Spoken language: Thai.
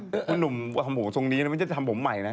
คุณหนุ่มห่ำหูทรงนี้มันจะทำผมใหม่นะ